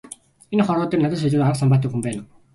Энэ хорвоо дээр надаас илүү арга самбаатай хүн байна уу?